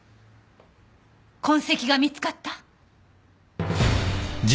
痕跡が見つかった？